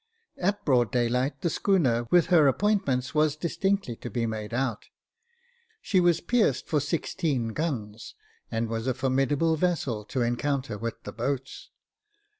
At broad daylight the schooner, with her appointments, was distinctly to be made out. She was pierced for sixteen guns, and was a formidable vessel to encounter with the boats.